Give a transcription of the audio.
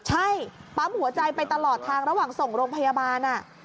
ใช่ปั๊มหัวใจไปตลอดทางระหว่างส่งโรงพยาบาล